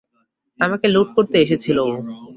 আমাকে লুট করতে এসেছিল ও।